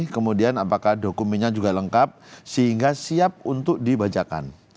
kemudian apakah dokumennya juga lengkap sehingga siap untuk dibacakan